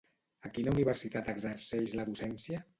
A quina universitat exerceix la docència?